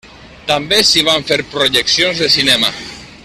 També s'hi van fer projeccions de cinema.